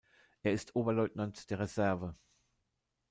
Er ist Oberleutnant der Reserve.